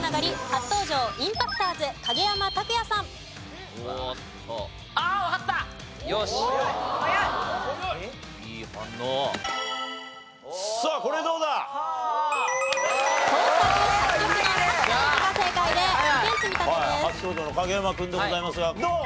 初登場の影山君でございますがどう？